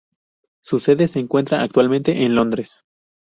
Su sede se encuentra actualmente en Londres.